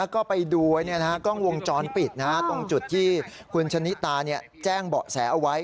ก็ไปดูไว้กล้องวงจรปิดตรงจุดที่คุณชะนิตาแจ้งเบาะแสเอาไว้